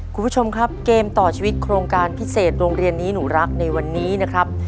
คุณผู้ชมครับเกมต่อชีวิตโครงการพิเศษโรงเรียนนี้หนูรักในวันนี้นะครับ